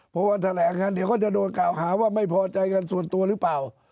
พอวันแถลงงั้นเดี๋ยวเขาจะโดนกล่าวหาว่าไม่พอใจกันส่วนตัวหรือเปล่า